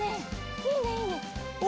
いいねいいね。